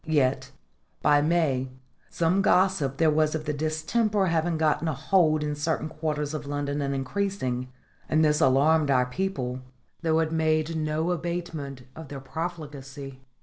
Yet, by May, some gossip there was of the distemper having gotten a hold in certain quarters of London and increasing, and this alarmed our people, though it made no abatement of their profligacy.